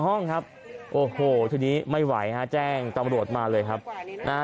ห้องครับโอ้โหทีนี้ไม่ไหวฮะแจ้งตำรวจมาเลยครับนะฮะ